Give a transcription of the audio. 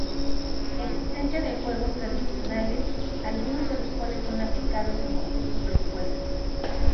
Existencia de juegos tradicionales, algunos de los cuales son aplicados en concursos de escuelas.